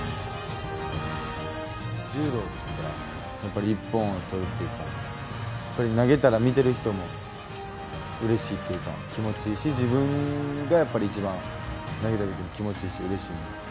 柔道っていったら、やっぱり一本を取るというか、やっぱり投げたら見てる人もうれしいというか、気持ちいいし、自分がやっぱり一番、投げたときに気持ちいいし、うれしいので。